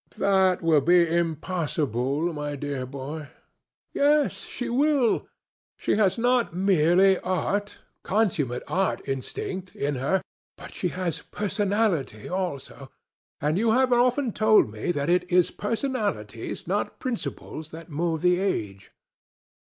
"That would be impossible, my dear boy." "Yes, she will. She has not merely art, consummate art instinct, in her, but she has personality also; and you have often told me that it is personalities, not principles, that move the age."